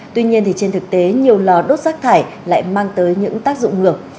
tuy nhiên trên thực tế nhiều lò đốt rác thải lại mang tới những tác dụng ngược